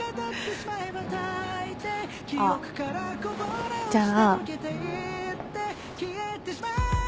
あっじゃあ。